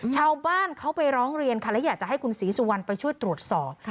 ชาวบ้านเขาไปร้องเรียนค่ะและอยากจะให้คุณศรีสุวรรณไปช่วยตรวจสอบ